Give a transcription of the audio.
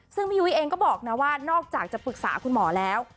ซึ่งพี่ยุ้ยเองก็บอกนะว่านอกจากจะปรึกษาคุณหมอแล้ว